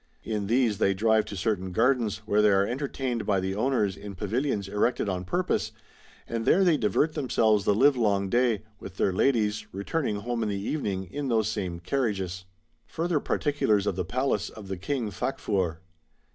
In these they drive to certain gardens, where they are enter tained by the owners in pavilions erected on purpose, and there they divert themselves the livelong day, with their ladies, returning home in the evening in those same carriages.'" (Further Particulars of the Palace of the King Facfur.)